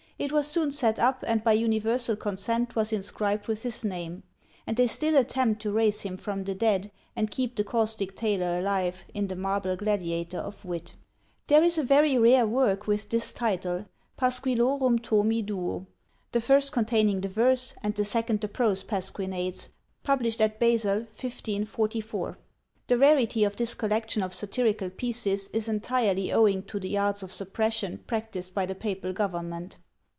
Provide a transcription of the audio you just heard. It was soon set up, and by universal consent was inscribed with his name; and they still attempt to raise him from the dead, and keep the caustic tailor alive, in the marble gladiator of wit. There is a very rare work, with this title: "Pasquillorum Tomi Duo;" the first containing the verse, and the second the prose pasquinades, published at Basle, 1544. The rarity of this collection of satirical pieces is entirely owing to the arts of suppression practised by the papal government.